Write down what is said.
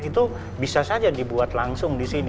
itu bisa saja dibuat langsung disini